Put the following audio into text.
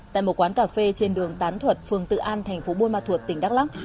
tại một quán cà phê trên đường tán thuật phường tự an thành phố buôn ma thuột tỉnh đắk lắc